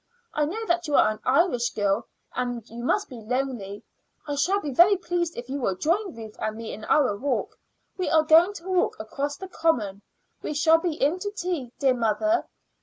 I know that you are an Irish girl, and you must be lonely. I shall be very pleased if you will join Ruth and me in our walk. We are going for a walk across the common. We shall be in to tea, dear mother.